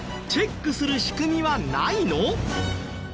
チェックする仕組みはないの？